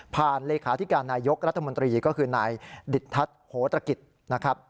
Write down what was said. เลขาธิการนายกรัฐมนตรีก็คือนายดิตทัศน์โหตรกิจนะครับ